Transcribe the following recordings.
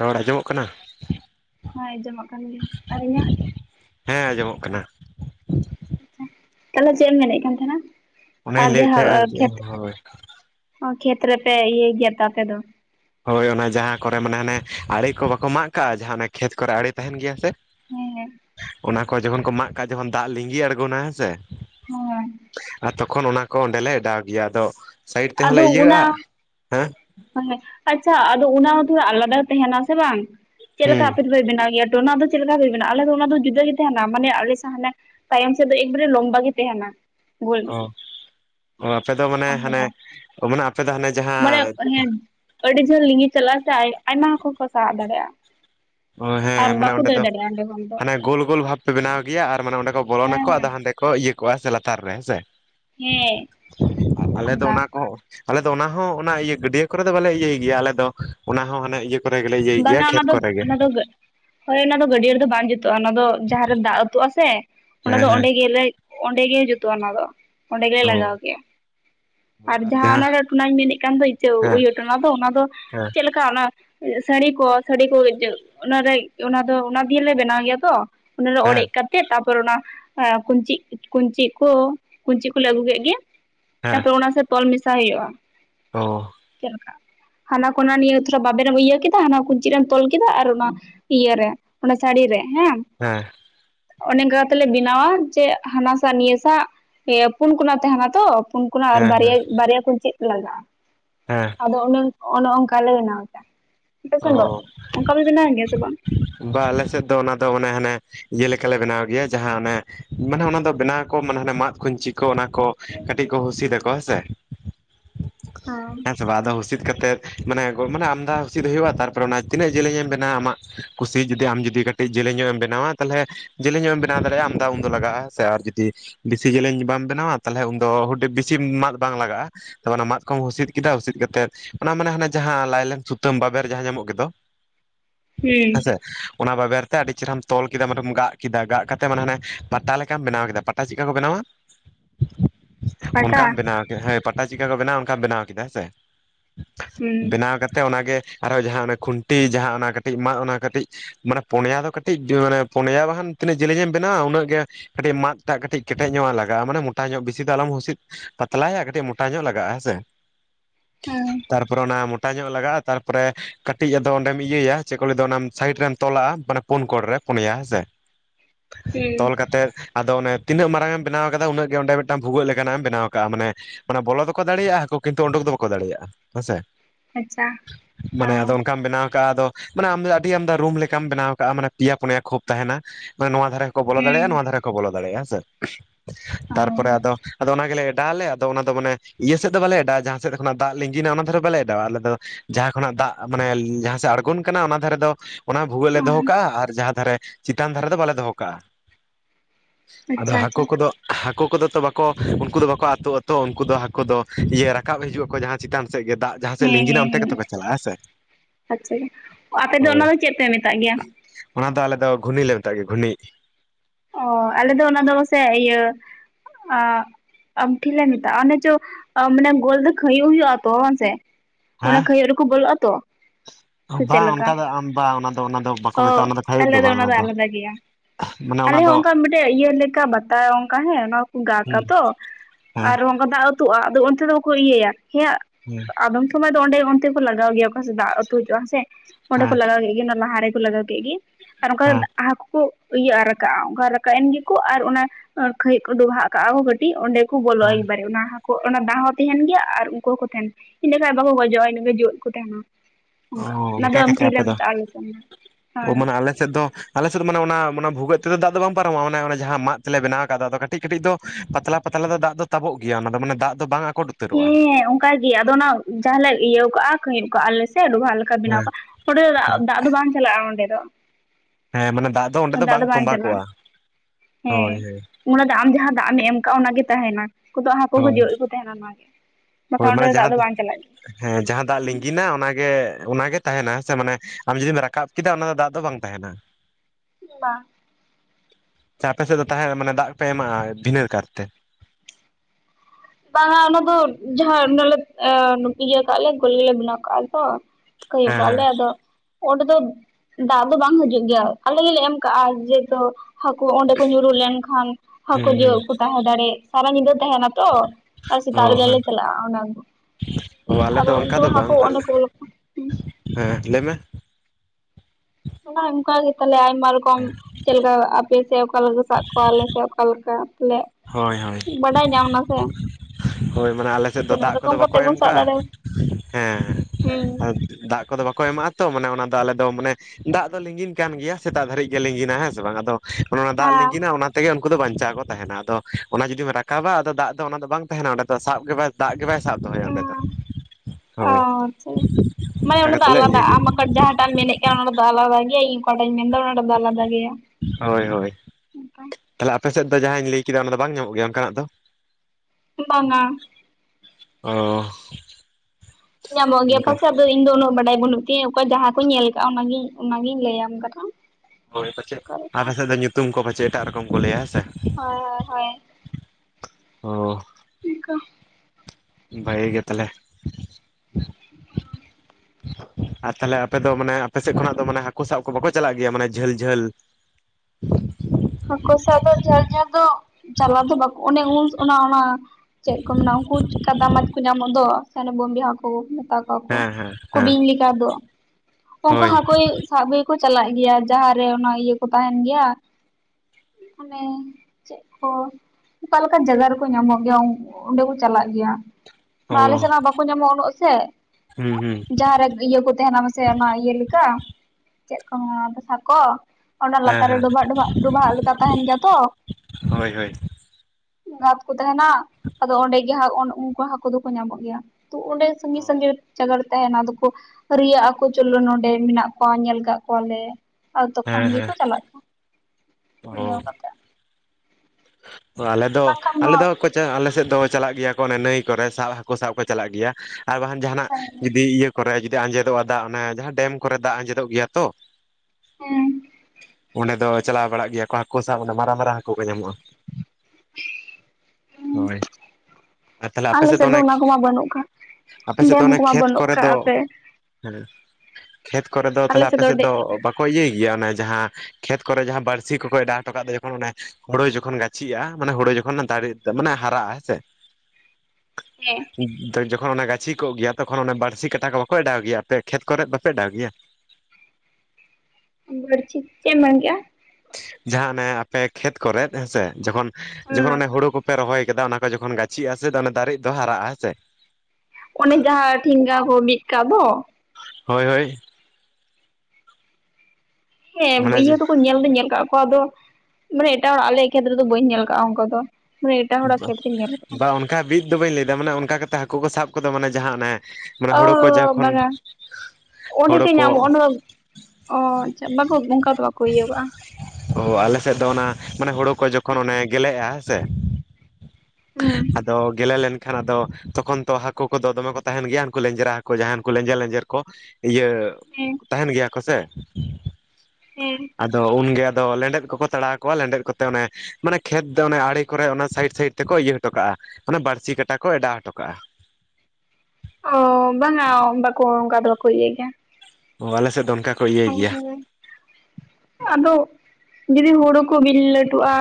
ᱨᱚᱲ ᱟᱸᱡᱚᱢᱚᱜ ᱠᱟᱱᱟ? ᱦᱳᱭ ᱟᱸᱡᱚᱢᱟᱜ ᱠᱟᱱ ᱜᱮᱭᱟ, ᱟᱨ ᱤᱧᱟᱹᱜ? ᱦᱮᱸ ᱟᱸᱡᱚᱢᱚᱜ ᱠᱟᱱᱟ ᱾ ᱮᱱ ᱦᱤᱞᱳᱜ ᱪᱮᱜ ᱮᱢ ᱢᱮᱱᱮᱜ ᱠᱟᱱ ᱛᱟᱦᱮᱱᱟ? ᱚᱱᱮᱧ ᱞᱟᱹᱭᱮᱫ ᱛᱟᱦᱮᱸᱟ ᱡᱮ, ᱦᱳᱭ ᱾ ᱚ ᱠᱷᱮᱛ ᱨᱮᱯᱮ ᱤᱭᱟᱹᱭ ᱜᱮᱭᱟ ᱛᱚ ᱟᱯᱮ ᱫᱚ? ᱦᱳᱭ ᱚᱱᱟ ᱡᱟᱦᱟᱸ ᱠᱚᱨᱮ ᱢᱟᱱᱮ ᱟᱱᱮ ᱟᱲᱮ ᱠᱚ ᱵᱟᱠᱚ ᱢᱟᱜ ᱠᱟᱜᱼᱟ, ᱡᱟᱦᱟᱸ ᱚᱱᱮ ᱠᱷᱮᱛ ᱠᱚᱨᱮ ᱟᱲᱮ ᱛᱟᱦᱮᱱ ᱜᱮᱭᱟ ᱥᱮ? ᱦᱮᱸ ᱦᱮᱸ ᱾ ᱚᱱᱟ ᱠᱚ ᱡᱚᱠᱷᱚᱱ ᱠᱚ ᱢᱟᱜ ᱠᱟᱜᱼᱟ ᱡᱚᱠᱷᱚᱱ ᱫᱟᱜ ᱞᱤᱸᱜᱤ ᱟᱲᱜᱚᱱᱟ ᱦᱮᱸ ᱥᱮ ᱦᱮᱸ ᱾ ᱟᱨ ᱛᱚᱠᱷᱚᱱ ᱚᱱᱟ ᱠᱚ ᱚᱸᱰᱮ ᱞᱮ ᱚᱰᱟᱣ ᱜᱮᱭᱟ ᱟᱫᱚ ᱥᱟᱭᱤᱰ ᱛᱮᱦᱚᱸ ᱞᱮ ᱤᱭᱟᱹᱣᱼᱟ ᱦᱮᱸ ᱾ ᱚ ᱦᱮᱸ, ᱟᱪᱪᱷᱟ ᱟᱫᱚ ᱚᱱᱟ ᱫᱚ ᱟᱞᱟᱫᱟ ᱨᱮ ᱛᱮᱦᱮᱱᱟ ᱥᱮ ᱵᱟᱝ, ᱪᱮᱫ ᱞᱮᱠᱟ ᱦᱩᱸ ᱟᱯᱮ [unintelligible] ᱵᱮᱱᱟᱣ ᱜᱮᱭᱟ ᱛᱚ ᱚᱱᱟ ᱫᱚ ᱪᱮᱫ ᱞᱮᱠᱟ ᱯᱮ ᱵᱮᱱᱟᱣᱟ? ᱟᱞᱮ ᱫᱚ ᱚᱱᱟ ᱫᱚ ᱡᱩᱫᱟᱹ ᱜᱮ ᱛᱮᱦᱮᱱᱟ ᱢᱟᱱᱮ ᱟᱞᱮ ᱥᱮ ᱦᱟᱱᱮ ᱛᱟᱭᱚᱢ ᱥᱮᱫ ᱫᱚ ᱮᱠᱵᱟᱨᱮ ᱞᱚᱢᱵᱟ ᱜᱮ ᱛᱮᱦᱮᱱᱟ ᱾ ᱚ, ᱚ ᱟᱯᱮ ᱫᱚ ᱢᱟᱱᱮ ᱚᱱᱮ ᱦᱟᱱᱮ, ᱚᱱᱠᱟ ᱚ ᱢᱟᱱᱮ ᱟᱯᱮ ᱫᱚ ᱦᱟᱱᱮ ᱢᱟᱱᱮ ᱡᱟᱦᱟᱸ ᱦᱮᱸ ᱟᱹᱰᱤ ᱡᱷᱟᱹᱞ ᱞᱤᱸᱜᱤ ᱪᱟᱞᱟᱜᱼᱟ ᱥᱮ ᱟᱭ ᱟᱭᱢᱟ ᱦᱟᱹᱠᱩ ᱠᱚ ᱥᱟᱦᱟᱜ ᱫᱟᱲᱮᱜᱼᱟ ᱾ ᱟᱨ ᱦᱮᱸ ᱢᱟᱱᱮ ᱵᱟᱠᱚ ᱚᱸᱰᱮ ᱫᱟᱹᱲ ᱫᱚ ᱫᱟᱲᱮᱜᱼᱟ ᱚᱸᱰᱮ ᱠᱷᱚᱱ ᱫᱚ ᱾ ᱦᱟᱱᱮ ᱜᱳᱞ ᱜᱳᱞ ᱵᱷᱟᱵ ᱯᱮ ᱵᱮᱱᱟᱣ ᱜᱮᱭᱟ, ᱟᱨ ᱢᱟᱱᱮ ᱚᱸᱰᱮ ᱠᱚ ᱵᱚᱞᱚᱱᱟᱠᱚ ᱟᱫᱚ ᱦᱮᱸ ᱦᱟᱸᱰᱮ ᱠᱚ ᱤᱭᱟᱹ ᱠᱚᱜᱼᱟ ᱦᱮᱸᱥᱮ ᱞᱟᱛᱟᱨ ᱨᱮ ᱦᱮᱸ ᱥᱮ? ᱦᱮᱸ ᱟᱞᱮ ᱫᱚ ᱚᱱᱠᱟ ᱚᱱᱟ ᱠᱚᱦᱚᱸ ᱟᱞᱮ ᱫᱚ ᱚᱱᱟ ᱦᱚᱸ ᱚᱱᱟ ᱜᱟᱹᱰᱭᱟᱹ ᱠᱚᱨᱮ ᱫᱚ ᱵᱟᱞᱮ ᱤᱭᱟᱹᱭ ᱜᱮᱭᱟ ᱟᱞᱮ ᱫᱚ ᱚᱱᱟ ᱦᱚᱸ ᱦᱟᱱᱮ ᱤᱭᱟᱹ ᱠᱚᱨᱮ ᱜᱮᱞᱮ ᱤᱭᱟᱹᱭ ᱜᱮᱭᱟ ᱵᱟᱝᱟ ᱚᱱᱟ ᱠᱷᱮᱛ ᱫᱚ ᱠᱚᱨᱮ ᱜᱮ ᱾ ᱚᱱᱟ ᱫᱚ ᱦᱳᱭ ᱚᱱᱟ ᱫᱚ ᱜᱟᱹᱰᱭᱟᱹ ᱨᱮᱫᱚ ᱵᱟᱝ ᱡᱩᱛᱩᱜᱼᱟ ᱚᱱᱟ ᱫᱚ ᱡᱟᱦᱟᱸᱨᱮ ᱫᱟᱜ ᱟᱹᱛᱩᱜᱼᱟ ᱥᱮ, ᱚᱸᱰᱮ ᱦᱮᱸ ᱫᱚ ᱦᱮᱸ ᱚᱸᱰᱮ ᱜᱮᱞᱮ ᱚᱸᱰᱮ ᱜᱮ ᱡᱩᱛᱩᱜᱼᱟ ᱚᱱᱟ ᱫᱚ, ᱚᱸᱰᱮ ᱜᱮᱞᱮ ᱞᱟᱜᱟᱣ ᱚ ᱠᱮᱭᱟ᱾ ᱟᱨ ᱡᱟᱸᱦᱟᱸ ᱚᱱᱟᱨᱮ ᱴᱚᱱᱟᱧ ᱢᱮᱱᱮᱫ ᱠᱟᱱ ᱫᱚ ᱦᱮᱸ ᱤᱭᱟᱹ ᱴᱚᱱᱟ ᱫᱚ ᱚᱱᱟ ᱫᱚ ᱦᱮᱸ ᱪᱮᱫ ᱞᱮᱠᱟ ᱚᱱᱟ, ᱥᱟᱹᱲᱤ ᱠᱚ ᱥᱟᱹᱲᱤ ᱠᱚ ᱚᱱᱟᱨᱮ ᱚᱱᱟ ᱫᱚ ᱚᱱᱟ ᱫᱤᱭᱮᱞᱮ ᱵᱮᱱᱟᱣ ᱜᱮᱭᱟ ᱛᱚ ᱚᱱᱟᱨᱮ ᱦᱮᱸ ᱚᱲᱮᱡ ᱠᱟᱛᱮ ᱛᱟᱯᱚᱨ ᱚᱱᱟ ᱠᱩᱧᱪᱤᱜ ᱠᱩᱧᱪᱤᱜ ᱠᱚᱞᱮ ᱟᱹᱜᱩ ᱠᱮᱫ ᱜᱮ᱾ ᱦᱮᱸ ᱛᱟᱨᱯᱚᱨᱮ ᱚᱱᱟ ᱥᱮ ᱛᱚᱞ ᱢᱮᱥᱟᱭ ᱦᱩᱭᱩᱜᱼᱟ ᱚ ᱪᱮᱫ ᱞᱮᱠᱟ᱾ ᱦᱟᱱᱟ ᱠᱚᱱᱟ ᱱᱤᱭᱟᱹ ᱛᱷᱚᱨᱟ ᱵᱟᱵᱮᱨ ᱮᱢ ᱤᱭᱟ. ᱠᱮᱫ᱾ ᱟᱱᱟ ᱠᱩᱪᱤᱨ ᱨᱮᱢ ᱛᱚᱞ ᱠᱮᱫᱟ ᱟᱨ ᱚᱱᱟ ᱤᱭᱟᱹ ᱨᱮ ᱚᱱᱟ ᱥᱟᱹᱲᱤ ᱨᱮ ᱦᱮᱸ ᱦᱮᱸ ᱚᱱᱮ ᱚᱝᱜᱟ ᱠᱟᱛᱮ ᱞᱮ ᱵᱮᱱᱟᱣᱟ ᱡᱮ ᱦᱟᱱᱟ ᱥᱟ ᱱᱤᱭᱟᱹ ᱥᱟᱶ ᱦᱮ ᱯᱩᱱ ᱠᱚᱱᱟ ᱛᱟᱦᱮᱱᱟ ᱛᱚ ᱯᱩᱱ ᱠᱚᱱᱟᱜ ᱟᱨ ᱦᱮᱸ ᱵᱟᱨ ᱦᱮᱸ ᱵᱟᱨᱭᱟ ᱠᱚᱧᱪᱮᱫ ᱞᱟᱜᱟᱜᱼᱟ᱾ ᱦᱮᱸ ᱟᱫᱚ ᱚᱱᱮ ᱚᱱᱠᱟ ᱞᱮ ᱵᱮᱱᱟᱣᱭᱮᱫᱟ, ᱯᱮ ᱥᱮ ᱚ ᱦᱤᱞᱳᱜ ᱚᱱᱠᱟ ᱯᱮ ᱵᱮᱱᱟᱣ ᱜᱮᱭᱟ ᱥᱮ ᱵᱟᱝ᱾ ᱵᱟ ᱟᱞᱮᱥᱮᱫ ᱫᱚ ᱚᱱᱟ ᱫᱚ ᱚᱱᱮ ᱦᱟᱱᱮ ᱤᱭᱟᱹ ᱞᱮᱠᱟᱞᱮ ᱵᱮᱱᱟᱣ ᱜᱮᱭᱟ ᱡᱟᱸᱦᱟᱸ ᱚᱱᱮ ᱢᱟᱱᱮ ᱚᱱᱟ ᱫᱚ ᱵᱮᱱᱟᱣ ᱠᱚ ᱢᱟᱱᱮ ᱢᱟᱜ ᱠᱷᱚᱧᱪᱤ ᱠᱚ ᱚᱱᱟ ᱠᱚ ᱠᱟᱹᱴᱤᱡ ᱠᱚ ᱦᱩᱥᱟᱠᱚ ᱦᱮᱸᱥᱮ᱾ ᱦᱮᱸ ᱥᱮ ᱵᱟ ᱟᱫᱚ ᱦᱩᱥᱤᱛ ᱠᱟᱛᱮ, ᱢᱟᱱᱮ ᱟᱢᱫᱟ ᱦᱩᱥᱤᱛ ᱦᱩᱭᱩᱜᱼᱟ ᱛᱟᱯᱚᱨᱮ ᱚᱱᱟ ᱛᱤᱱᱟ. ᱜ ᱡᱮᱞᱮᱧ ᱮᱢ ᱵᱮᱱᱟᱣᱟ ᱟᱢᱟᱜ ᱠᱩᱥᱤ ᱡᱩᱫᱤ ᱟᱢ ᱡᱩᱫᱤ ᱠᱟᱹᱴᱤᱡ ᱡᱮᱞᱮᱧᱚᱜ ᱮᱢ ᱵᱮᱱᱟᱣᱟ ᱛᱟᱦᱚᱞᱮ ᱡᱮᱞᱮ ᱧᱚᱜ ᱮᱢ ᱵᱮᱱᱟᱣ ᱫᱟᱲᱮᱭᱟᱜᱼᱟ ᱟᱢᱫᱟ ᱩᱢ ᱫᱚ ᱞᱟᱜᱟᱜᱼᱟ ᱥᱮ ᱟᱨ ᱡᱩᱫᱤ ᱵᱮᱥᱤ ᱡᱮᱞᱤᱧ ᱵᱟᱢ ᱵᱮᱱᱟᱣᱟ ᱛᱟᱦᱮ ᱩᱱ ᱫᱚ ᱦᱩᱰᱤ ᱵᱤᱥᱤ ᱢᱟᱫ ᱵᱟᱝ ᱞᱟᱜᱟᱜᱼᱟ ᱛᱮ ᱚᱱᱟ ᱢᱟᱫ ᱠᱚᱢ ᱦᱩᱥᱤᱫ ᱠᱮᱫᱟ ᱾ᱦᱩᱥᱤᱫ ᱠᱟᱛᱮᱫ ᱚᱱᱟ ᱢᱟᱱᱮ ᱦᱟᱱᱮ ᱡᱟᱸᱦᱟᱸ ᱞᱟᱭᱞᱢ ᱥᱩᱛᱟᱹᱢ ᱵᱟᱵᱮᱨ ᱡᱟᱸᱦᱟᱸ ᱧᱟᱢᱚᱜ ᱜᱮᱫᱚ᱾ ᱦᱩᱸ ᱦᱮ ᱥᱮ ᱚᱱᱟ ᱵᱮᱵᱮᱨ ᱛᱮ ᱟᱹᱰᱤ ᱪᱮᱦᱨᱟᱢ ᱛᱚᱞ ᱠᱮᱫᱟ ᱢᱮᱢ ᱜᱟᱜ ᱠᱮᱫᱟ ᱜᱟᱜ ᱠᱟᱛᱮᱫ ᱢᱟᱱᱮ ᱦᱟᱱᱮ ᱯᱟᱴᱟ ᱞᱮᱠᱟᱢ ᱵᱮᱱᱟᱣ ᱠᱮᱫᱟ ᱯᱟᱴᱟ ᱪᱮᱫᱠᱟ ᱠᱚ ᱵᱮᱱᱟᱣᱟ᱾ [inaudible] ᱚᱱᱠᱟᱢ ᱵᱮᱱᱟᱣ ᱠᱮᱫᱟ ᱦᱮᱸ ᱯᱟᱴᱟ ᱪᱤᱠᱟᱹ ᱠᱚ ᱵᱮᱱᱟᱣᱟ ᱚᱱᱠᱟᱢ ᱵᱮᱱᱟᱣ ᱠᱮᱫᱟ ᱦᱮᱸ ᱥᱮ᱾ ᱦᱩᱸ ᱵᱮᱱᱟᱣ ᱠᱟᱛᱮ ᱚᱱᱟ ᱜᱮ ᱟᱨᱦᱚᱸ ᱡᱟᱸᱦᱟᱸ ᱠᱷᱩᱱᱴᱤ ᱡᱟᱸᱦᱟᱸ ᱚᱱᱟ ᱠᱟᱹᱴᱤᱡ ᱢᱟᱜ ᱚᱱᱟ ᱠᱟᱹᱴᱤᱡ ᱢᱟᱱᱮ ᱯᱚᱱᱭᱟ ᱫᱚ ᱠᱟᱹᱴᱤᱡ ᱢᱟᱱᱮ ᱯᱚᱱᱭᱟ ᱵᱟᱠᱷᱟᱱ ᱛᱤᱱᱟᱹᱜ ᱡᱮᱞᱮᱧᱮᱢ ᱵᱮᱱᱟᱣᱟ ᱩᱱᱟᱹᱜ ᱜᱮ ᱠᱟᱹᱴᱤᱡ ᱢᱟᱫ ᱴᱟᱜ ᱠᱟᱹᱴᱤᱡ ᱠᱮᱴᱮᱡ ᱧᱚᱜᱼᱟᱜ ᱞᱟᱜᱟᱜᱼᱟ, ᱢᱟᱱᱮ ᱢᱚᱴᱟ ᱧᱚᱜ ᱵᱤᱥᱤ ᱫᱚ ᱟᱞᱚᱢ ᱦᱩᱥᱤᱫ ᱯᱟᱛᱞᱟᱭᱟᱜ ᱠᱟᱹᱴᱤᱡ ᱢᱚᱴᱟ ᱧᱚᱜ ᱞᱟᱜᱟᱜ ᱦᱮᱸ ᱥᱮ᱾ ᱦᱮᱸ ᱛᱟᱨᱯᱚᱨᱮ ᱚᱱᱟ ᱢᱚᱴᱟ ᱧᱚᱜ ᱞᱟᱜᱟᱜᱼᱟ ᱛᱟᱨᱯᱚᱨᱮ ᱛᱟᱯᱚᱨ ᱚᱱᱟ ᱢᱚᱴᱟ ᱧᱚᱜ ᱞᱟᱜᱟᱜ ᱛᱟᱯᱚᱨᱮ ᱠᱟᱹᱴᱤᱡ ᱟᱫᱚ ᱚᱸᱰᱮᱢ ᱤᱭᱟᱹᱭᱟ ᱪᱮᱫ ᱠᱚ ᱞᱟᱹᱭ ᱚᱱᱟ ᱥᱟᱭᱤᱰ ᱨᱮᱢ ᱛᱚᱞᱟᱜᱼᱟ, ᱢᱟᱱᱮ ᱯᱩᱱ ᱠᱚᱲ ᱨᱮ ᱯᱩᱱᱭᱟ ᱦᱮᱸ ᱥᱮ᱾ [inaudible] ᱛᱚᱞ ᱠᱟᱛᱮᱫ ᱟᱫᱚ ᱚᱱᱮ ᱛᱤᱱᱟᱜ ᱢᱟᱨᱟᱝ ᱮ ᱮᱢ ᱵᱮᱱᱟᱣ ᱠᱟᱫᱟ ᱩᱱᱟᱹᱜ ᱜᱮ ᱚᱸᱰᱮ ᱢᱤᱫᱴᱟᱱ ᱵᱷᱩᱜᱟᱹᱜ ᱞᱮᱠᱟᱱᱟᱜ ᱮᱢ ᱵᱮᱱᱟᱣ ᱠᱟᱜᱼᱟ, ᱢᱟᱱᱮ ᱢᱟᱱᱮ ᱵᱚᱞᱚ ᱫᱚᱠᱚ ᱫᱟᱲᱮᱭᱟᱜᱼᱟ ᱠᱤᱱᱛᱩ ᱩᱰᱩᱠ ᱫᱚ ᱵᱟᱠᱚ ᱫᱟᱲᱮᱭᱟᱜᱼᱟ ᱦᱮᱸᱥᱮ᱾ ᱟᱪᱪᱷᱟ ᱢᱟᱱᱮ ᱟᱫᱚ ᱦᱚᱸ ᱚᱱᱠᱟᱢ ᱵᱮᱱᱟᱣ ᱠᱟᱜᱼᱟ ᱟᱫᱚ᱾ ᱢᱟᱱᱮ ᱟᱢ ᱟᱹᱰᱤ ᱟᱢᱫᱟ ᱨᱩᱢ ᱞᱮᱠᱟᱢ ᱵᱮᱱᱟᱣ ᱠᱟᱜᱼᱟ ᱢᱟᱱᱮ ᱯᱮᱭᱟ ᱯᱩᱱᱭᱟ ᱠᱷᱳᱯ ᱛᱟᱦᱮᱱᱟ ᱢᱟᱱᱮ ᱱᱚᱣᱟ ᱫᱷᱟᱨᱮ᱾ ᱠᱚ ᱵᱚᱞᱚ ᱦᱩᱸ ᱫᱟᱲᱮᱭᱟᱜᱼᱟ ᱱᱚᱣᱟ ᱫᱷᱟᱨᱮ ᱠᱚ ᱵᱚ ᱫᱟᱲᱮᱭᱟᱜᱼᱟ ᱦᱮᱸ ᱥᱮ᱾ ᱚ ᱛᱟᱨᱯᱚᱨᱮ ᱟᱫᱚ ᱟᱫᱚ ᱚᱱᱟ ᱜᱮᱞᱮ ᱚᱰᱟᱣ ᱟᱞᱮ ᱟᱫᱚ ᱚᱱᱟ ᱫᱚ ᱢᱟᱱᱮ ᱤᱭᱟᱹ ᱥᱮᱫ ᱫᱚ ᱵᱟᱞᱮ ᱚᱰᱟᱣᱟᱞᱮ ᱡᱟᱸ ᱥᱮᱫᱚᱱᱟᱜ ᱫᱟᱜ ᱞᱤᱜᱤᱱᱟ ᱚᱱᱟ ᱫᱚᱨᱮ ᱵᱟᱞᱮ ᱮᱰᱟᱣᱟ ᱟᱞᱮ ᱫᱚ᱾ ᱡᱟᱸᱦᱟᱸ ᱠᱷᱚᱱᱟᱜ ᱫᱟᱜ ᱢᱟᱱᱮ ᱡᱟᱸᱦᱟᱸ ᱥᱮ ᱟᱬᱜᱚᱱ ᱠᱟᱱᱟ ᱚᱱᱟ ᱫᱷᱟᱨᱮ ᱫᱚ ᱚᱱᱟ ᱵᱷᱩᱜᱟᱹᱜ ᱞᱮ ᱚ ᱫᱚᱦᱚ ᱠᱟᱜᱼᱟ ᱟᱨ ᱡᱟᱸᱦᱟᱸ ᱫᱷᱟᱨᱮ ᱪᱮᱛᱟᱱ ᱫᱷᱟᱨᱮ ᱫᱚ ᱵᱟᱞᱮ ᱫᱚᱦᱚ ᱠᱟᱜᱼᱟ᱾ ᱟᱫᱚ ᱟᱪᱪᱷᱟ ᱦᱟᱹᱠᱩ ᱟᱪᱪᱷᱟ ᱠᱚᱫᱚ ᱦᱟᱹᱠᱩ ᱠᱚᱫᱚ ᱛᱚ ᱵᱟᱠᱚ ᱩᱱᱠᱩ ᱫᱚ ᱵᱟᱠᱚ ᱟᱹᱛᱩ ᱟᱛᱚ ᱩᱱᱠᱩ ᱫᱚ ᱦᱟᱹᱠᱩ ᱫᱚ ᱤᱭᱟᱹ ᱨᱟᱠᱟᱵ ᱦᱤᱡᱩᱜᱼᱟᱚ ᱡᱟᱦᱟᱸ ᱪᱮᱛᱟᱱ ᱥᱮᱫ ᱜᱮ ᱫᱟᱜ ᱡᱟᱦᱟᱸ ᱥᱮᱫ ᱦᱮᱸ ᱞᱤᱸᱜᱤᱱᱟ ᱦᱮᱸ ᱚᱱᱛᱮ ᱛᱮ ᱦᱮᱸ ᱠᱟᱛᱮᱠᱚ ᱠᱚ ᱪᱟᱞᱟᱜᱼᱟ ᱦᱮᱸ ᱥᱮ, ᱟᱪᱪᱷᱟ ᱟᱯᱮ ᱫᱚ ᱦᱳᱭ ᱚᱱᱟ ᱫᱚ ᱪᱮᱫ ᱯᱮ ᱢᱮᱛᱟᱜ ᱜᱮᱭᱟ? ᱚᱱᱟ ᱫᱚ ᱟᱞᱮ ᱫᱚ ᱜᱷᱩᱱᱤ ᱞᱮ ᱢᱮᱛᱟᱜ ᱜᱮᱭᱟ ᱜᱷᱩᱱᱤ᱾ ᱚ ᱟᱞᱮ ᱫᱚ ᱚᱱᱟ ᱫᱚ ᱯᱟᱥᱮ ᱤᱭᱟᱹ ᱚ ᱟᱢᱴᱷᱤ ᱞᱮ ᱢᱮᱛᱟᱜᱼᱟ ᱚᱱᱮ ᱪᱚ ᱢᱟᱱᱮ ᱜᱳᱞ ᱫᱚ ᱠᱷᱟᱹᱭᱚᱜ ᱦᱩᱭᱩᱜᱼᱟ ᱥᱮ ᱚᱱᱛᱮ ᱵᱟᱝ ᱥᱮ, ᱦᱮᱸ ᱚᱱᱟ ᱠᱷᱟᱹᱭᱳ ᱨᱮ ᱠᱚ ᱵᱚᱞᱚᱜᱼᱟ ᱛᱚ, ᱥᱮ ᱪᱮᱫ ᱵᱟᱝ ᱞᱮᱠᱟ? ᱚᱱᱠᱟ ᱫᱚ ᱟᱢ ᱵᱟᱝ ᱚᱱᱟ ᱫᱚ ᱚᱱᱟ ᱫᱚ ᱵᱟᱠᱚ ᱚ ᱢᱮᱛᱟᱜᱼᱟ ᱚᱱᱟ ᱠᱷᱟᱹᱭᱩᱜ ᱛᱟᱦᱞᱮ ᱫᱚ ᱵᱟᱝ ᱚᱱᱟ ᱫᱚ ᱟᱞᱟᱫᱟ ᱜᱮᱭᱟ᱾ ᱢᱟᱱᱮ ᱚᱱᱟ ᱟᱞᱮ ᱦᱚᱸ ᱫᱚ ᱚᱱᱠᱟ ᱢᱤᱫᱴᱮᱡ ᱤᱭᱟᱹ ᱞᱮᱠᱟ ᱵᱟᱛᱟ ᱚᱱᱠᱟ ᱦᱮᱸ ᱚᱱᱟ ᱠᱚ ᱦᱩᱸ ᱜᱟᱜᱼᱟ ᱛᱚ ᱦᱮᱸ ᱟᱨ ᱫᱟᱜ ᱩᱛᱩᱜᱼᱟ ᱟᱫᱚ ᱚᱱᱛᱮ ᱫᱚ ᱠᱚ ᱤᱭᱟᱹᱭᱟ, ᱦᱮᱸ, ᱦᱩᱸ, ᱟᱫᱷᱚᱢ ᱥᱚᱢᱚᱭ ᱫᱚ ᱚᱸᱰᱮ ᱚᱱᱛᱮ ᱠᱚ ᱞᱟᱜᱟᱣ ᱜᱮᱭᱟ ᱚᱠᱟ ᱥᱮ ᱫᱟᱜ ᱟᱛᱩ ᱦᱤᱡᱩᱜᱼᱟ ᱦᱮᱥᱮ ᱚᱸᱰᱮ ᱦᱮᱸ ᱞᱟᱜᱟᱣ ᱠᱮᱫ ᱜᱮᱭᱟ ᱚᱱᱟ ᱞᱟᱦᱟ ᱨᱮᱠᱚ ᱞᱟᱜᱟᱣ ᱠᱮᱫ ᱜᱮ ᱟᱨ ᱚᱱᱠᱟ ᱦᱮᱸ ᱛᱮ ᱦᱟᱠᱩ ᱠᱚ ᱤᱭᱟᱹᱜᱼᱟ ᱨᱟ ᱠᱟᱜᱼᱟ ᱚᱱᱠᱟ ᱨᱟᱠᱟᱵ ᱮᱱ ᱜᱮᱠᱚ ᱟᱨ ᱚᱱᱟ ᱠᱷᱟᱹᱭᱳ ᱠᱚ ᱰᱚᱵᱷᱟᱜ ᱠᱟᱜᱼᱟ ᱠᱚ ᱠᱟᱹᱴᱤᱡ ᱚᱸᱰᱮ ᱠᱩ ᱵᱚᱞᱚ ᱟᱠᱚ ᱦᱮᱸ ᱮᱤᱵᱟᱨᱮ ᱚᱱᱟ ᱚᱱᱟ ᱫᱟᱜ ᱦᱚᱸ ᱛᱟᱦᱮᱱ ᱜᱮᱭᱟ ᱟᱨ ᱩᱱᱠᱩ ᱦᱚᱸᱠᱚ ᱛᱟᱦᱮᱱ ᱤᱸᱰᱮ ᱠᱷᱟᱱ ᱵᱟᱝ ᱠᱚ ᱜᱚᱡᱚᱜᱼᱟ ᱤᱱᱟ ᱡᱤᱭᱮᱫ ᱠᱚ ᱛᱟᱦᱮᱸᱱᱟ᱾ ᱚ ᱚᱱᱠᱟ ᱚᱱᱟ ᱫᱚ ᱠᱟᱛᱮ ᱟᱢᱴᱷᱤ ᱞᱮ ᱟᱯᱮ ᱫᱚ ᱢᱮᱛᱟᱜᱼᱟ ᱟᱞᱮ ᱥᱮᱱ ᱫᱚ ᱚ ᱦᱮᱸ, ᱢᱟᱱᱮ ᱟᱞᱮ ᱥᱮᱫ ᱫᱚ ᱟᱞᱮ ᱥᱮᱫ ᱫᱚ ᱢᱟᱱᱮ ᱚᱱᱟ ᱵᱷᱩᱜᱟᱹ ᱛᱮᱫᱚ ᱫᱟᱜ ᱫᱚ ᱵᱟᱝ ᱯᱟᱨᱚᱢᱚᱜᱼᱟ ᱢᱟᱱᱮ ᱚᱱᱟ ᱡᱟᱦᱟᱸ ᱢᱟᱫ ᱛᱮᱞᱮ ᱵᱮᱱᱟᱣ ᱟᱠᱟᱫᱟ ᱟᱫᱚ ᱠᱟᱹᱴᱤᱡ ᱠᱟᱹᱴᱤᱡ ᱫᱚ ᱯᱟᱛᱞᱟ ᱯᱟᱛᱞᱟ ᱫᱚ ᱫᱟᱜ ᱫᱚ ᱛᱟᱵᱚᱜ ᱜᱮᱭᱟ ᱚᱱᱟ ᱫᱚ ᱢᱟᱱᱮ ᱫᱟᱜ ᱫᱚ ᱵᱟᱝ ᱟᱠᱚᱴ ᱩᱛᱟᱹᱨᱚᱜᱼᱟ᱾ ᱦᱮᱸ ᱚᱱᱠᱟ ᱜᱮ ᱟᱫᱚ ᱚᱱᱟ ᱡᱟᱦᱟᱸ ᱞᱮ ᱤᱭᱟᱹ ᱠᱟᱜᱼᱟ ᱠᱷᱟᱹᱭᱟᱜᱼᱟ ᱟᱞᱮ ᱥᱮᱫ ᱰᱚᱵᱷᱟ ᱞᱮᱠᱟ ᱠᱟ ᱵᱮᱱᱟᱣ ᱦᱮᱸ ᱠᱟᱜᱼᱟ ᱚᱸᱰᱮ ᱫᱚ ᱫᱟᱜ ᱫᱚ ᱵᱟᱝ ᱪᱟᱞᱟᱜᱼᱟ ᱚᱸᱰᱮ ᱫᱚ᱾ ᱦᱮᱸ ᱢᱟᱱᱮ ᱫᱟᱜ ᱫᱚ ᱚᱸᱰᱮ ᱫᱚ ᱵᱟᱝ ᱛᱵᱟ ᱠᱚᱜᱼᱟ ᱦᱳᱭ ᱦᱳᱭ, ᱚᱱᱮ ᱫᱚ ᱟᱢ ᱡᱟᱦᱟᱸ ᱫᱟᱜ ᱮᱢ ᱠᱟᱜ ᱚᱱᱟᱜᱮ ᱛᱟᱦᱮᱸᱱᱟ ᱩᱱᱠᱩᱫᱚ ᱦᱟᱹᱠᱩ ᱦᱳᱭ ᱡᱤᱭᱮᱫ ᱜᱮ ᱠᱚ ᱛᱟᱦᱮᱱᱟ ᱱᱚᱣᱟ ᱦᱳᱭ ᱢᱟᱱᱮ ᱡᱟᱦᱟᱸ ᱦᱮᱸ ᱡᱟᱦᱟᱸ ᱫᱟᱜ ᱞᱤᱸᱜᱤᱱᱟ ᱚᱱᱟᱜᱮ ᱚᱱᱟᱜᱮ ᱛᱟᱦᱮᱱᱟ ᱦᱮᱸ ᱥᱮ ᱢᱟᱱᱮ ᱟᱢ ᱡᱩᱫᱤᱢ ᱨᱟᱠᱟᱵ ᱠᱮᱫᱟ ᱚᱱᱟ ᱫᱚ ᱫᱟᱜ ᱫᱚ ᱵᱟᱝ ᱛᱟᱦᱮᱱᱟ᱾ ᱵᱟᱝ, ᱥᱮ ᱟᱯᱮ ᱥᱮᱫ ᱫᱚ ᱛᱟᱦᱮᱱᱟ ᱢᱟᱱᱮ ᱫᱟᱜ ᱯᱮ ᱮᱢᱟᱜᱼᱟ ᱵᱷᱤᱱᱟᱹ ᱫᱷᱤᱱᱟ ᱠᱟᱨᱛᱮ, ᱵᱟᱝᱟ ᱚᱱᱟ ᱫᱚ ᱡᱟᱦᱟᱸ ᱚᱱᱟᱮ ᱟᱞᱮ ᱤᱭᱟᱹ ᱠᱟᱜ ᱞᱮ ᱜᱳᱞ ᱜᱮᱞᱮ ᱵᱮᱱᱟᱣ ᱠᱟᱜᱼᱟ ᱛᱚ᱾ ᱠᱷᱟᱹᱭᱳ ᱦᱮᱸ ᱠᱟᱭᱟᱜ ᱦᱮᱸ ᱞᱮ ᱫᱚ ᱚᱰᱮ ᱫᱚ ᱫᱟᱜ ᱫᱚ ᱵᱟᱝ ᱦᱤᱡᱩᱜ ᱜᱮᱭᱟ ᱟᱞᱮᱞᱮ ᱮᱢ ᱠᱟᱜᱼᱟ ᱡᱮᱛᱩ ᱦᱟᱹᱠᱩ ᱚᱸᱰᱮ ᱠᱚ ᱧᱩᱨᱩ ᱞᱮᱱᱠᱷᱟᱱ, ᱦᱩᱸ ᱦᱟᱹᱠᱩ ᱦᱩᱸ ᱡᱤᱭᱮᱫ ᱠᱚ ᱛᱟᱦᱮᱸ ᱫᱟᱲᱮᱭᱟᱜ ᱥᱟᱨᱟ ᱧᱤᱫᱟᱹ ᱛᱟᱦᱮᱱᱟ ᱛᱚ? ᱟᱨ ᱚ ᱥᱮᱛᱟᱜ ᱵᱮᱞᱟ ᱞᱮ ᱦᱮᱸ ᱪᱟᱞᱟᱜᱼᱟ ᱚᱱᱟ ᱟᱜᱩ ᱚ ᱟᱞᱮ ᱟᱫᱚ ᱫᱚ ᱩᱱ ᱚᱱᱠᱟ ᱫᱚ ᱡᱚᱠᱷ ᱦᱟᱹᱠᱩ ᱵᱟᱝ ᱚᱸᱰᱮ ᱟᱞᱮ ᱠᱚ ᱵᱚᱞ ᱠᱚ ᱟ᱾ ᱦᱮᱸ ᱞᱟᱹᱭ ᱢᱮ? ᱟᱱᱟ ᱚᱱᱠᱟ ᱜᱮ ᱛᱟᱞᱮ ᱟᱭᱢᱟ ᱨᱚᱠᱚᱢ ᱦᱮᱸ ᱪᱮᱫ ᱞᱮᱠᱟ ᱟᱯᱮ ᱥᱮ ᱚᱠᱟ ᱥᱟᱵ ᱠᱚ ᱟᱞᱮ ᱥᱮᱱ ᱚᱠᱟ ᱞᱮᱠᱟ ᱢᱮᱫ ᱦᱳᱭ ᱦᱳᱭ ᱵᱟᱰᱟᱭ ᱧᱟᱢ ᱱᱟ ᱥᱮ, ᱦᱳᱭ ᱢᱟᱱᱮ ᱟᱞᱮ ᱥᱮᱫ ᱫᱚ ᱛᱤᱱᱟᱹᱜ ᱫᱟᱜ ᱠᱚᱫᱚ ᱨᱚᱠᱚᱢ ᱵᱟᱠᱚ ᱠᱟᱛᱮ ᱵᱚᱱ ᱮᱢ ᱥᱟᱵ ᱠᱟᱜᱼᱟ, ᱫᱟᱲᱮᱭᱟ ᱦᱮᱸ ᱦᱩᱸ ᱫᱚᱜ ᱠᱚᱫᱚ ᱵᱟᱠᱚ ᱮᱢᱟᱜᱼᱟ ᱛᱚ ᱢᱟᱱᱮ ᱚᱱᱟ ᱫᱚ ᱟᱞᱮ ᱫᱚ ᱢᱟᱱᱮ ᱫᱟᱜ ᱫᱚ ᱞᱤᱸᱜᱤᱱ ᱠᱟᱱ ᱜᱮᱭᱟ ᱥᱮᱛᱟᱜ ᱫᱷᱟᱹᱨᱤᱡ ᱜᱮ ᱞᱤᱜᱤᱱᱟ ᱦᱮᱸ ᱥᱮ ᱵᱟᱝ ᱟᱫᱚ, ᱚᱱᱮ ᱚᱱᱟ ᱫᱟᱜ ᱦᱮᱸ ᱞᱤᱸᱜᱤᱱᱟ ᱚᱱᱟ ᱛᱮᱜᱮ ᱩᱱᱠᱩ ᱫᱚ ᱵᱟᱧᱪᱟᱣ ᱠᱚ ᱛᱟᱦᱮᱸᱱᱟ᱾ ᱟᱫᱚ ᱚᱱᱟ ᱡᱩᱫᱤᱢ ᱨᱟᱠᱟᱵᱟ ᱟᱫᱚ ᱫᱟᱜ ᱫᱚ ᱚᱱᱟ ᱫᱚ ᱵᱟᱝ ᱛᱟᱦᱮᱱᱟ ᱚᱸᱰᱮ ᱫᱚ ᱥᱟᱵ ᱜᱮᱵᱟ ᱫᱟᱜ ᱜᱮ ᱵᱟᱭ ᱥᱟᱵ ᱫᱚᱦᱚᱭᱟ ᱚᱸᱰᱮ ᱫᱚ᱾ ᱦᱩᱸ ᱚ ᱦᱳᱭ ᱟᱪᱪᱷᱟ ᱢᱟᱱᱮ ᱚᱱᱠᱟ ᱚᱱᱟ ᱫᱚ ᱠᱟᱛᱮ ᱞᱮ ᱟᱞᱟᱫᱟ ᱤᱭᱟᱹᱭ ᱜᱮᱭᱟ ᱟᱢ ᱟᱠᱟᱴ ᱡᱟᱦᱟᱸᱴᱟᱜ ᱮᱢ ᱢᱮᱱᱮᱫ ᱮᱭᱟ ᱚᱱᱟᱫᱚ ᱧᱚᱜ ᱜᱮᱭᱟ ᱤᱧ ᱚᱠᱟᱴᱟᱜ ᱢᱮᱱ ᱫᱟ ᱦᱳᱭ, ᱦᱳᱭ, ᱚᱱᱠᱟ ᱛᱟᱦᱚᱞᱮ ᱟᱯᱮ ᱥᱮᱫ ᱫᱚ ᱡᱟᱦᱟᱸᱧ ᱞᱟᱹᱭ ᱠᱮᱫᱟ ᱚᱱᱟ ᱫᱚ ᱵᱟᱝ ᱧᱟᱢᱚᱜ ᱜᱮᱭᱟ ᱚᱱᱠᱟᱱᱟᱜ ᱫᱚ? ᱵᱟᱝ ᱟ ᱾ ᱚᱻ ᱧᱟᱢᱚᱜ ᱜᱮ ᱯᱟᱥᱮᱪ ᱟᱫᱚ ᱤᱧ ᱫᱚ ᱩᱱᱟᱹᱜ ᱵᱟᱰᱟᱭ ᱵᱟᱹᱱᱩᱜ ᱛᱤᱧᱟᱹ ᱚᱠᱟ ᱡᱟᱦᱟᱸ ᱠᱚᱧ ᱧᱮᱞ ᱟᱠᱟᱜᱼᱟ ᱚᱱᱟᱜᱤ ᱚᱱᱟᱜᱤᱧ ᱞᱟᱹᱭ ᱟᱢ ᱠᱟᱱᱟ᱾ ᱦᱳᱭ ᱯᱟᱪᱮᱫ ᱚᱠᱟ ᱞᱮᱠᱟ ᱟᱯᱮ ᱥᱮᱫ ᱫᱚ ᱧᱩᱛᱩᱢ ᱠᱚ ᱯᱟᱪᱮᱫ ᱮᱴᱟᱜ ᱨᱚᱠᱚᱢ ᱠᱚ ᱞᱟᱹᱭᱟ ᱦᱮᱸ ᱥᱮ ᱾ ᱦᱳᱭ ᱦᱳᱭ ᱦᱳᱭ ᱾ ᱚ ᱾ [inaudible] ᱵᱷᱟᱹᱜᱤ ᱜᱮ ᱛᱟᱦᱚᱞᱮ ᱾ [unintelligible] ᱟᱨ ᱛᱟᱦᱞᱮ ᱟᱯᱮ ᱫᱚ ᱢᱟᱱᱮ ᱟᱯᱮ ᱥᱮᱫ ᱠᱷᱚᱱᱟᱜ ᱫᱚ ᱢᱟᱱᱮ ᱦᱟᱹᱠᱩ ᱥᱟᱵ ᱠᱚ ᱵᱟᱠᱚ ᱪᱟᱞᱟᱜ ᱜᱮᱭᱟ ᱢᱟᱱᱮ ᱡᱷᱟᱹᱞ ᱡᱷᱟᱹᱞ᱾ [unintelligible] ᱦᱟᱹᱠᱩ ᱥᱟᱵ ᱫᱚ ᱡᱷᱟᱹᱞ ᱡᱷᱟᱹᱞ ᱫᱚ ᱪᱟᱞᱟᱣ ᱫᱚ ᱵᱟᱠᱚ ᱚᱱᱮ ᱩᱱ ᱚᱱᱟ ᱚᱱᱟ ᱪᱮᱫ ᱠᱚ ᱢᱮᱱᱟ ᱩᱱᱠᱩ ᱠᱟᱫᱟ ᱢᱟᱪ ᱠᱚ ᱧᱟᱢᱚᱜ ᱫᱚ ᱥᱮ ᱵᱚᱢᱵᱤ ᱦᱟᱹᱠᱩ ᱢᱮᱛᱟ ᱠᱚ ᱦᱮᱸ ᱦᱮᱸ ᱩᱱᱠᱩ ᱦᱮᱸ ᱵᱤᱧ ᱞᱮᱠᱟ ᱫᱚ, ᱩᱱᱠᱩ ᱦᱳᱭ ᱦᱟᱹᱠᱩᱭ ᱥᱟᱵ ᱜᱮ ᱠᱚ ᱪᱟᱞᱟᱜ ᱜᱮᱭᱟ ᱡᱟᱦᱟᱸ ᱨᱮ ᱚᱱᱟ ᱤᱭᱟᱹ ᱠᱚ ᱛᱟᱦᱮᱱ ᱜᱮᱭᱟ᱾ ᱚᱱᱮ ᱪᱮᱫ ᱠᱚ ᱚᱠᱟᱞᱮᱠᱟᱱ ᱡᱟᱭᱜᱟ ᱨᱮᱠᱚ ᱧᱟᱢᱚᱜ ᱜᱮᱭᱟ ᱚᱸᱰᱮ ᱠᱚ ᱪᱟᱞᱟᱜ ᱜᱮᱭᱟ᱾ ᱚ ᱢᱟ ᱟᱞᱮ ᱥᱮᱫ ᱢᱟ ᱵᱟᱠᱚ ᱧᱟᱢᱚᱜ-ᱟ ᱩᱱᱟᱹᱜ ᱥᱮ ᱦᱩᱸ ᱦᱩᱸ ᱡᱟᱦᱟᱸ ᱨᱮ ᱤᱭᱟᱹ ᱠᱚ ᱛᱟᱦᱮᱱᱟ ᱥᱮ ᱚᱱᱟ ᱤᱭᱟᱹ ᱞᱮᱠᱟ, ᱪᱮᱫ ᱠᱚ ᱢᱮᱱᱟ [inaudible] ᱠᱚ ᱚᱱᱟ ᱦᱮᱸ ᱞᱟᱛᱟᱨ ᱨᱮ ᱦᱮᱸ ᱰᱚᱵᱟᱜ ᱰᱚᱵᱟᱜ ᱰᱚᱵᱷᱟᱜ ᱞᱮᱠᱟ ᱛᱟᱦᱮᱱ ᱜᱮᱭᱟ ᱛᱚ᱾ ᱦᱳᱭ ᱦᱳᱭ ᱠᱩ ᱛᱟᱦᱮᱱᱟ, ᱟᱫᱚ ᱚᱸᱰᱮ ᱜᱮ ᱦᱟᱜ ᱩᱱ ᱩᱱᱠᱩ ᱦᱟᱹᱠᱩ ᱫᱚᱠᱚ ᱧᱟᱢᱚᱜ ᱜᱮᱭᱟ᱾ ᱛᱚ ᱚᱸᱰᱮ ᱚ ᱥᱟᱺᱜᱤᱧ ᱥᱟᱺᱜᱤᱧ ᱪᱟᱜᱟᱲ ᱛᱟᱦᱮᱱᱟ ᱫᱚᱠᱚ ᱦᱟᱹᱨᱤᱭᱟᱜ ᱟᱠᱚ ᱪᱩᱞᱞᱚ ᱱᱚᱰᱮ ᱢᱮᱱᱟᱜ ᱠᱚᱣᱟ ᱧᱮᱞ ᱠᱟᱫ ᱠᱚᱣᱟᱞᱮ ᱟᱨ ᱦᱮᱸ ᱛᱚᱠᱷᱚᱱ ᱦᱮᱸ ᱜᱮᱠᱚ ᱪᱟᱞᱟᱜ ᱛᱟᱦᱮᱜ ᱾ ᱱᱤᱭᱟᱹᱣ ᱚ ᱠᱟᱛᱮᱜ ᱟᱞᱮ ᱫᱚ ᱟᱞᱮ ᱫᱚ ᱠᱟᱹᱡ ᱟᱞᱮᱥᱮᱫ ᱫᱚ ᱪᱟᱞᱟᱜ ᱜᱮᱭᱟ ᱠᱚ ᱚᱱᱮ ᱱᱟᱹᱭ ᱠᱚᱨᱮ ᱥᱟᱵ ᱦᱟᱹᱠᱩ ᱥᱟᱵ ᱠᱚ ᱪᱟᱞᱟᱜ ᱜᱮᱭᱟ ᱟᱨ ᱵᱟᱠᱷᱟᱱ ᱡᱟᱦᱟᱸᱱᱟᱜ ᱥᱟᱺᱜᱤᱧ ᱡᱩᱫᱤ ᱤᱭᱟᱹ ᱠᱚᱨᱮ ᱡᱩᱫᱤ ᱟᱸᱡᱮᱫᱚᱜ-ᱟ᱾ ᱫᱟᱜ ᱚᱱᱮ ᱡᱟᱦᱟᱸ ᱰᱮᱢ ᱠᱚᱨᱮ ᱫᱟᱜ ᱟᱸᱡᱮᱫᱚᱜ ᱜᱮᱭᱟ ᱛᱚ᱾ ᱦᱮᱸ ᱚᱸᱰᱮ ᱫᱚ ᱪᱟᱞᱟᱣ ᱵᱟᱲᱟᱜ ᱜᱮᱭᱟ ᱠᱚ ᱦᱟᱹᱠᱩ ᱥᱟᱵ ᱚᱱᱮ ᱢᱟᱨᱟᱝ ᱢᱟᱨᱟᱝ ᱦᱟᱹᱠᱩ ᱠᱚ ᱧᱟᱢᱚᱜ-ᱟ᱾ [unintelligible] ᱦᱳᱭ᱾ ᱟᱨ ᱛᱟᱦᱚᱞᱮ ᱟᱯᱮ ᱟᱞᱮ ᱥᱮᱫ ᱫᱚ ᱚᱱᱮ, ᱚᱱᱟ ᱠᱚᱢᱟ ᱵᱟᱹᱱᱩᱜ ᱠᱟᱜ ᱟᱯᱮ ᱥᱮᱫ ᱫᱚ ᱰᱮᱢ ᱚᱱᱮ ᱠᱚᱢᱟ ᱠᱷᱮᱛ ᱵᱟᱹᱱᱩᱜ ᱠᱚᱨᱮ ᱫᱚ ᱠᱟᱜᱼᱟ ᱥᱮ ᱦᱮᱸ ᱠᱷᱮᱛ ᱠᱚᱨᱮ ᱫᱚ ᱛᱟᱦᱚᱞᱮ ᱟᱯᱮ ᱥᱮᱫ ᱫᱚ ᱵᱟᱠ ᱠᱚ ᱤᱭᱟᱹ ᱜᱮᱭᱟ ᱚᱱᱮ ᱡᱟᱦᱟᱸ ᱠᱷᱮᱛ ᱠᱚᱨᱮ ᱡᱟᱦᱟᱸ ᱵᱟᱹᱲᱥᱤ ᱠᱚᱠᱚ ᱮᱰᱟ ᱦᱚᱴᱚᱠᱟᱜ‌ ᱫᱚ ᱡᱚᱠᱷᱚᱱ ᱚᱱᱮ ᱦᱩᱲᱩ ᱡᱚᱠᱷᱚᱱ ᱜᱟ ᱪᱷᱤᱜᱼᱟ, ᱢᱟᱱᱮ ᱦᱳᱲᱳ ᱡᱚᱠᱷᱚᱱ ᱫᱟᱨᱮ ᱢᱟᱱᱮ ᱦᱟᱨᱟᱜ-ᱟ ᱦᱮᱸᱥᱮ? ᱦᱮᱸ᱾ ᱡᱚᱠᱷᱚᱱ ᱚᱱᱟ ᱜᱟᱪᱷᱤ ᱠᱚᱜ ᱜᱮᱭᱟ ᱛᱚᱠᱷᱚᱱ ᱚᱱᱟ ᱵᱟᱹᱲᱥᱤ ᱠᱟᱴᱟ ᱠᱚ ᱵᱟᱠᱚ ᱚᱰᱟᱣ ᱜᱮᱭᱟ ᱟᱯᱮ ᱠᱷᱮᱛ ᱠᱚᱨᱮ ᱵᱟᱯᱮ ᱚᱰᱟᱣ ᱜᱮᱭᱟ? ᱵᱟᱹᱲᱥᱤ ᱪᱮᱫ ᱮᱢ ᱢᱮᱱ ᱠᱮᱜᱼᱟ? ᱡᱟᱦᱟᱸ ᱚᱱᱮ ᱟᱯᱮ ᱠᱷᱮᱛ ᱠᱚᱨᱮᱫ ᱦᱮ ᱥᱮ ᱡᱚᱠᱷᱚᱱ, ᱡᱚᱠᱦᱚᱱ ᱦᱮᱸ ᱚᱱᱮ ᱦᱩᱲᱩ ᱠᱚᱯᱮ ᱨᱚᱦᱚᱭ ᱠᱟᱫᱟ ᱚᱱᱟ ᱠᱚ ᱡᱚᱠᱷᱚᱱ ᱜᱟᱪ ᱪᱷᱤ ᱟᱥᱮ ᱚᱱᱮ ᱫᱟᱨᱮᱜ ᱫᱚ ᱦᱟᱨᱟᱜ ᱟ ᱦᱮᱸ ᱥᱮ? ᱚᱱᱮ ᱡᱟᱦᱟᱸ ᱴᱷᱮᱸᱜᱟ ᱠᱚ ᱵᱤᱫ ᱠᱟᱜ ᱫᱚ ᱦᱳᱭ ᱦᱳᱭ ᱾ ᱦᱮᱸ ᱢᱟᱱᱮ ᱡᱮ ᱤᱭᱟᱹ ᱫᱚᱠᱚ ᱧᱮᱞ ᱫᱚ ᱧᱮᱞ ᱠᱟᱜ ᱠᱚᱣᱟ ᱟᱫᱚ ᱢᱟᱱᱮ ᱮᱴᱟᱜ ᱦᱚᱲᱟᱜ ᱟᱞᱮᱭᱟᱜ ᱠᱷᱮᱛ ᱨᱮᱫᱚ ᱵᱟᱹᱧ ᱧᱮᱞ ᱟᱠᱟᱜ-ᱟ ᱚᱱᱠᱟ ᱫᱚ ᱾ ᱦᱳᱭ ᱮᱴᱟᱜ ᱦᱚᱲᱟᱜ ᱠᱷᱮᱛ ᱨᱤᱧ ᱞᱮᱞ ᱟᱠᱟᱜ-ᱟ᱾ ᱦᱮᱸ ᱵᱤᱫ ᱫᱚ ᱵᱟᱹᱧ ᱞᱟᱹᱭ ᱮᱫᱟ, ᱢᱟᱱᱮ ᱚᱱᱠᱟ ᱠᱟᱛᱮ ᱦᱟᱹᱠᱩ ᱠᱚ ᱥᱟᱵ ᱠᱚᱫᱚ ᱢᱟᱱᱮ ᱡᱟᱦᱟᱸ ᱚᱱᱮ ᱢᱟᱱᱮ ᱦᱳᱲᱳ ᱠᱚ ᱚᱻ, ᱡᱚᱠᱷᱚᱱ ᱵᱟᱝᱟ ᱾ ᱚᱸᱰᱮ ᱦᱳᱲᱳ ᱜᱮ ᱠᱚ ᱧᱟᱢᱚᱜ-ᱟ ᱚᱱᱟ ᱫᱚ, ᱚ ᱟᱪᱪᱷᱟ ᱵᱟᱠᱚ ᱚᱱᱠᱟ ᱫᱚ ᱵᱟᱠᱚ ᱤᱭᱟᱹᱣ ᱠᱟᱜ-ᱟ ᱾ ᱚ ᱟᱞᱮ ᱥᱮᱫ ᱫᱚ ᱚᱱᱟ ᱢᱟᱱᱮ ᱦᱩᱲᱩ ᱠᱚ ᱡᱚᱠᱷᱚᱱ ᱚᱱᱮ ᱜᱮᱞᱮᱜ-ᱟ ᱦᱮᱸ ᱥᱮ ᱾ ᱦᱩᱸ ᱾ ᱛᱚ ᱜᱮᱞᱮ ᱞᱮᱱᱠᱷᱟᱱ ᱟᱫᱚ ᱛᱚᱠᱷᱚᱱ ᱛᱚ ᱦᱟᱹᱠᱩ ᱠᱚᱫᱚ ᱫᱚᱢᱮ ᱠᱚ ᱛᱟᱦᱮᱱ ᱜᱮᱭᱟ ᱩᱱᱠᱩ ᱞᱮᱧᱡᱨᱟ ᱦᱟᱹᱠᱩ ᱡᱟᱦᱟᱸᱭ ᱩᱱᱠᱩ ᱞᱮᱧᱡᱮᱨ ᱞᱮᱧᱡᱮᱨ ᱠᱚ ᱾ ᱤᱭᱟᱹ ᱦᱮᱸ ᱛᱟᱦᱮᱱ ᱜᱮᱭᱟ ᱠᱚ ᱥᱮ? ᱦᱮᱸ ᱾ ᱛᱚ ᱩᱱᱜᱮ ᱟᱫᱚ ᱞᱮᱸᱰᱮᱫ ᱠᱚᱠᱚ ᱛᱟᱲᱟᱣ ᱠᱚᱣᱟ ᱞᱮᱸᱰᱮᱫ ᱠᱚᱛᱮ ᱚᱱᱮ ᱢᱟᱱᱮ ᱠᱷᱮᱛ ᱚᱱᱮ ᱟᱲᱮ ᱠᱚᱨᱮ ᱚᱱᱟ ᱥᱟᱭᱤᱰ ᱥᱟᱭᱤᱰ ᱛᱮᱠᱚ ᱤᱭᱟᱹ ᱦᱚᱴᱚ ᱠᱟᱜ-ᱟ ᱾ ᱢᱟᱱᱮ ᱵᱟᱹᱲᱥᱤ ᱠᱟᱴᱟ ᱠᱚ ᱮᱰᱟᱣ ᱦᱚᱴᱚ ᱠᱟᱜ-ᱟ ᱾ ᱚ ᱵᱟᱝᱟ ᱵᱟᱠᱚ ᱚᱱᱠᱟ ᱫᱚ ᱵᱟᱠᱚ ᱤᱭᱟᱹᱭ ᱜᱮᱭᱟ ᱾ ᱚ ᱟᱞᱮ ᱥᱮᱫ ᱫᱚ ᱚᱱᱠᱟ ᱾ ᱚ ᱦᱳᱭ, ᱟᱫᱚ ᱡᱩᱫᱤ ᱦᱳᱲᱳ ᱠᱚ ᱵᱤᱞ ᱞᱟᱹᱴᱩᱜ-ᱟ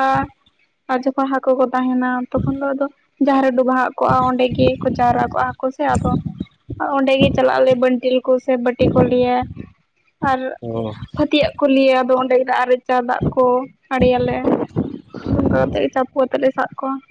ᱟᱨ ᱡᱚᱠᱷᱚᱱ ᱦᱟᱹᱠᱳ ᱠᱚ ᱛᱟᱦᱮᱱᱟ ᱛᱚᱠᱷᱚᱱ ᱫᱚ ᱟᱫᱚ ᱡᱟᱦᱟᱸ ᱨᱮ ᱰᱳᱵ ᱵᱟᱦᱟᱜ ᱠᱚᱜ-ᱟ ᱚᱸᱰᱮ ᱜᱮ ᱠᱚ ᱡᱟᱣᱨᱟ ᱠᱚᱜ-ᱟ ᱦᱟᱠᱳ ᱥᱮ ᱟᱫᱚ ᱚᱸᱰᱮ ᱜᱮ ᱪᱟᱞᱟᱜ ᱟᱞᱮ ᱵᱟᱱᱴᱤᱞ ᱠᱩ ᱥᱮ ᱵᱟᱹᱴᱤ ᱠᱚ ᱞᱤᱭᱮ ᱾ ᱟᱨ ᱚ ᱯᱷᱟᱹᱛᱤᱭᱟᱜ ᱠᱚ ᱞᱤᱭᱟᱹ ᱟᱫᱚ ᱚᱸᱰᱮ ᱜᱮᱞᱮ ᱟᱨᱮᱡᱟ ᱫᱟᱜ ᱠᱚ ᱟᱲᱮᱭᱟᱞᱮ ᱾ ᱟᱫᱚ ᱚᱱᱠᱟ ᱠᱟᱛᱮᱫ ᱜᱮ ᱪᱟᱯᱚ ᱠᱟᱛᱮᱫ ᱞᱮ ᱥᱟᱵ ᱠᱚᱣᱟ ᱾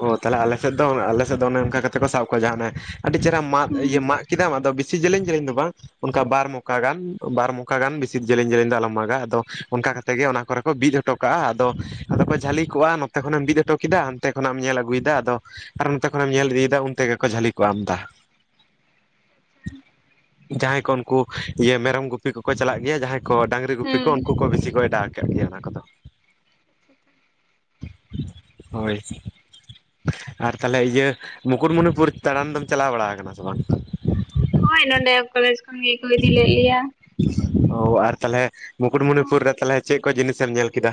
ᱚ ᱛᱟᱦᱞᱮ ᱟᱞᱮ ᱥᱮᱫ ᱫᱚ ᱟᱞᱮ ᱥᱮᱫ ᱫᱚ ᱚᱱᱮ ᱚᱱᱠᱟ ᱠᱟᱛᱮ ᱠᱚ ᱥᱟᱵ ᱠᱚᱣᱟ ᱡᱟᱦᱟᱸ ᱚᱱᱮ ᱟᱹᱰᱤ ᱪᱮᱦᱨᱟ ᱢᱟᱫ ᱤᱭᱟᱹ ᱦᱩᱸ ᱢᱟᱜ ᱠᱤᱫᱟᱢ ᱟᱫᱚ ᱵᱤᱥᱤ ᱡᱮᱞᱤᱧ ᱡᱮᱞᱤᱧ ᱫᱚ ᱵᱟᱝ ᱚᱱᱠᱟ ᱵᱟᱨ ᱢᱚᱠᱟ ᱜᱟᱱ ᱵᱟᱨ ᱢᱚᱠᱟ ᱜᱟᱱ ᱵᱮᱥᱤ ᱡᱮᱞᱮᱧ ᱡᱮᱞᱮᱧ ᱫᱚ ᱟᱞᱚᱢ ᱢᱟᱜᱟ, ᱟᱫᱚ ᱚᱱᱠᱟ ᱠᱟᱛ ᱛᱮᱜᱮ ᱚᱱᱟ ᱠᱚᱨᱮ ᱠᱚ ᱵᱤᱫ ᱦᱚᱴᱚ ᱠᱟᱜ-ᱟ ᱟᱫᱚ, ᱟᱫᱚ ᱠᱚ ᱡᱷᱟᱹᱞᱤ ᱠᱚᱜ-ᱟ ᱱᱚᱛᱮ ᱠᱷᱚᱱᱮᱢ ᱵᱤᱫ ᱦᱚᱴᱚ ᱠᱮᱫᱟ ᱦᱟᱱᱛᱮ ᱠᱷᱚᱱᱟᱜ ᱮᱢ ᱧᱮᱞ ᱟᱹᱜᱩᱭᱫᱟ ᱟᱫᱚ ᱟᱨ ᱱᱚᱛᱮ ᱠᱷᱚᱱᱮᱢ ᱧᱮᱞ ᱤᱫᱤᱭᱮᱫᱟ ᱩᱱ ᱛᱮᱜᱮ ᱠᱚ ᱡᱷᱟᱹᱞᱤ ᱠᱚᱜ-ᱟ ᱟᱢᱫᱟ ᱾ ᱡᱟᱦᱟᱸᱭ ᱠᱚ ᱩᱱᱠᱩ ᱤᱭᱟᱹ ᱢᱮᱨᱚᱢ ᱜᱩᱯᱤ ᱠᱚᱠᱚ ᱪᱟᱞᱟᱜ ᱜᱮᱭᱟ, ᱡᱟᱦᱟᱸᱭ ᱠᱚ ᱰᱟᱸᱝ ᱨᱤ ᱜᱩᱯᱤ ᱦᱩᱸ ᱠᱚ ᱩᱱᱠᱩ ᱠᱚ ᱵᱤᱥᱤ ᱠᱚ ᱮᱰᱟᱣ ᱠᱟᱫ ᱜᱮᱭᱟ ᱚᱱᱟ ᱠᱚᱫᱚ, ᱦᱳᱭ ᱾ ᱟᱨ ᱛᱟᱞᱦᱮ ᱤᱭᱟᱹ ᱢᱩᱠᱩᱴᱢᱩᱱᱤᱯᱩᱨ ᱫᱟᱬᱟᱱ ᱫᱚᱢ ᱪᱟᱞᱟᱣ ᱵᱟᱲᱟ ᱟᱠᱟᱱᱟ ᱥᱮ ᱵᱟᱝ? ᱦᱳᱭ ᱱᱚᱸᱰᱮ ᱠᱚᱞᱮᱡᱽ ᱠᱷᱚᱱ ᱜᱮᱠᱚ ᱤᱫᱤ ᱞᱮᱫ ᱞᱮᱭᱟ ᱾ ᱚ ᱟᱨ ᱛᱟᱞᱦᱮ ᱢᱩᱠᱩᱴᱢᱩᱱᱤᱯᱩᱨ ᱨᱮ ᱛᱟᱞᱦᱮ ᱪᱮᱫ ᱠᱚ ᱡᱤᱱᱤᱥᱮᱢ ᱧᱮᱞ ᱠᱮᱫᱟ?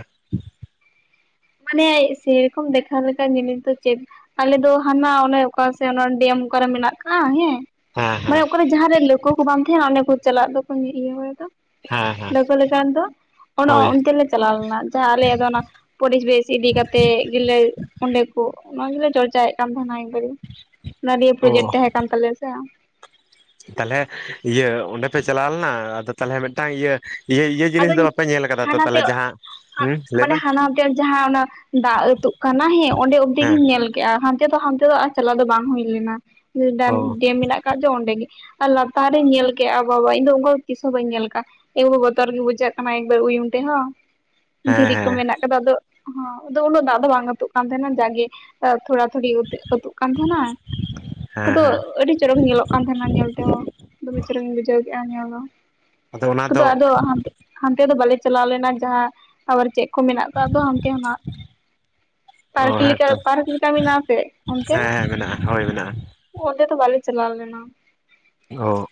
ᱢᱟᱱᱮ ᱥᱮᱨᱚᱠᱚᱢ ᱫᱮᱠᱷᱟ ᱞᱮᱠᱟᱱ ᱡᱤᱱᱤᱥ ᱫᱚ ᱪᱮᱫ ᱟᱞᱮ ᱫᱚ ᱦᱟᱱᱟ ᱚᱱᱮ ᱚᱠᱟ ᱥᱮᱜ ᱚᱱᱟ ᱰᱮᱢ ᱚᱠᱟᱨᱮ ᱢᱮᱱᱟᱜ ᱠᱟᱜ-ᱟ ᱦᱮᱸ, ᱦᱮᱸ ᱢᱟᱱᱮ ᱦᱮᱸ ᱚᱠᱟᱨᱮ ᱡᱟᱦᱟᱸ ᱨᱮ ᱞᱟᱹᱣᱠᱟᱹ ᱠᱚ ᱵᱟᱝ ᱛᱟᱦᱤᱸᱱᱟ ᱚᱸᱰᱮ ᱠᱚ ᱪᱟᱞᱟᱜ ᱫᱚᱠᱚ [unintelligible] ᱦᱮᱸ ᱾ ᱦᱮᱸ ᱞᱟᱹᱣᱠᱟᱹ ᱞᱮᱠᱟ ᱮᱱᱫᱚ ᱚᱱᱚ ᱦᱳᱭ ᱚᱱᱛᱮ ᱞᱮ ᱪᱟᱞᱟᱣ ᱞᱮᱱᱟ ᱡᱟᱦᱟᱸ ᱟᱞᱮᱭᱟᱜ ᱜᱮ ᱚᱱᱟ ᱯᱚᱨᱤᱵᱮᱥ ᱤᱫᱤ ᱠᱟᱛᱮᱫ ᱜᱮᱞᱮ ᱚᱸᱰᱮ ᱠᱚ ᱚᱱᱟ ᱜᱮᱞᱮ ᱪᱚᱨᱪᱟᱭᱮᱫ ᱠᱟᱱ ᱛᱟᱦᱮᱱᱟᱭ ᱮᱠᱵᱟᱨᱮ ᱚᱱᱟ ᱨᱤᱭᱟᱜ ᱚ ᱯᱨᱚᱡᱮᱠᱴ ᱛᱟᱦᱮᱸ ᱠᱟᱱ ᱛᱟᱞᱮᱭᱟ ᱥᱮ ᱾ ᱛᱟᱞᱦᱮ ᱤᱭᱟᱹ ᱚᱸᱰᱮ ᱯᱮ ᱪᱟᱞᱟᱣ ᱞᱮᱱᱟ ᱟᱫᱚ ᱛᱟᱞᱦᱮ ᱢᱮᱫᱴᱟᱝ ᱤᱭᱟᱹ ᱤᱭᱟᱹ ᱤᱭᱟᱹ ᱡᱤᱱᱤᱥ ᱫᱚ ᱟᱫᱚᱧ ᱵᱟᱯᱮ ᱧᱮᱞ ᱟᱠᱟᱫᱟ ᱛᱚ ᱦᱟᱱᱟᱛᱮ ᱛᱟᱞᱦᱮ ᱡᱟᱦᱟᱸ ᱦᱩᱸ [unintelligible] ᱞᱟᱹᱭ ᱢᱟᱱᱮ ᱢᱮ ᱦᱟᱱᱟ [unintelligible] ᱛᱮᱭᱟᱜ ᱡᱟᱦᱟᱸ ᱚᱱᱟ ᱫᱟᱜ ᱟᱹᱛᱩᱜ ᱠᱟᱱᱟ ᱦᱮᱸ ᱚᱸᱰᱮ ᱚᱵᱫᱤ ᱦᱮᱸ ᱜᱤᱧ ᱧᱮᱞ ᱠᱮᱜ-ᱟ ᱦᱟᱱ ᱛᱮ ᱫᱚ ᱦᱟᱱᱛᱮ ᱫᱚ ᱟᱨ ᱪᱟᱞᱟᱣ ᱫᱚ ᱵᱟᱝ ᱦᱩᱭ ᱞᱮᱱᱟ, ᱵᱮᱢ ᱚ ᱰᱮᱢ ᱢᱮᱱᱟᱜ ᱠᱟᱡ ᱡᱚ ᱚᱸᱰᱮ ᱜᱮ ᱾ ᱟᱨ ᱞᱟᱛᱟᱨ ᱨᱤᱧ ᱧᱮᱞ ᱠᱮᱜ-ᱟ ᱵᱟᱵᱟ ᱤᱧ ᱫᱚ ᱚᱱᱠᱟ ᱫᱚ ᱛᱤᱥ ᱦᱚᱸ ᱵᱟᱹᱧ ᱧᱮᱞ ᱠᱟᱜ-ᱟ ᱮ [unintelligible] ᱵᱚᱛᱚᱨ ᱜᱮ ᱵᱩᱡᱟᱜ ᱠᱟᱱᱟ ᱮᱠᱵᱟᱨ ᱩᱭᱩᱢ ᱛᱮᱦᱚᱸ, ᱦᱮᱸ ᱫᱷᱤᱨᱤ ᱠᱚ ᱦᱮᱸ ᱢᱮᱱᱟᱜ ᱟᱫᱚ ᱦᱚᱸ, ᱟᱫᱚ ᱩᱱᱟᱹᱜ ᱫᱟᱜ ᱫᱚ ᱵᱟᱝ ᱟᱹᱛᱩᱜ ᱠᱟᱱ ᱛᱟᱦᱮᱱᱟ ᱡᱟᱠᱜᱮ ᱛᱷᱚᱲᱟ ᱛᱷᱚᱲᱤ ᱚᱛᱩᱜ ᱟᱹᱛᱩᱜ ᱠᱟᱱ ᱛᱟᱸᱦᱮᱱᱟ ᱦᱮᱸ ᱟᱫᱚ ᱦᱮᱸ ᱟᱹᱰᱤ ᱪᱚᱨᱚᱠ ᱧᱮᱞᱚᱜ ᱠᱟᱱ ᱛᱟᱦᱮᱸᱱᱟ ᱧᱮᱞ ᱛᱮᱦᱚᱸ ᱫᱚᱢᱮ ᱪᱚᱨᱚᱠᱤᱧ ᱵᱩᱡᱷᱟᱹᱣ ᱠᱮᱜ-ᱟ ᱧᱮᱞ ᱫᱚ ᱾ ᱟᱫᱚ ᱚᱱᱟ ᱫᱚ ᱦᱟᱱᱛᱮ ᱫᱚ ᱵᱟᱞᱮ ᱪᱟᱞᱟᱣ ᱞᱮᱱᱟ ᱡᱟᱦᱟᱸ ᱟᱵᱟᱨ ᱪᱮᱜ ᱠᱚ ᱢᱮᱱᱟᱜ ᱠᱟᱜ ᱫᱚ ᱦᱟᱱᱛᱮ ᱱᱟᱜ ᱚ ᱯᱟᱨᱠᱤ ᱞᱤᱠᱟ ᱦᱮᱸᱛᱚ ᱯᱟᱨᱠ ᱞᱤᱠᱟ ᱢᱤᱱᱟᱜ-ᱟ ᱥᱮ ᱥᱮ ᱚᱱᱛᱮ ᱦᱮᱸ ᱨᱮ᱾ ᱦᱮᱸ ᱢᱮᱱᱟᱜᱼᱟ ᱦᱳᱭ ᱢᱮᱱᱟᱜᱼᱟ ᱚᱸᱰᱮ ᱫᱚ ᱵᱟᱞᱮ ᱪᱟᱞᱟᱣ ᱞᱮᱱᱟ᱾ ᱚᱠ